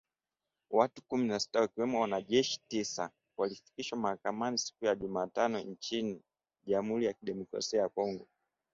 Watu kumi na sita wakiwemo wanajeshi tisa, walifikishwa mahakamani siku ya Jumatatu nchini Jamhuri ya Kidemokrasi ya kongo